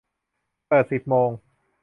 เปิดสิบโมง